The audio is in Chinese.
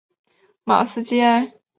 马斯基埃。